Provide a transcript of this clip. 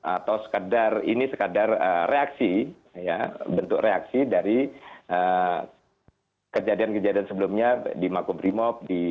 atau sekadar ini sekadar reaksi ya bentuk reaksi dari kejadian kejadian sebelumnya di makum primo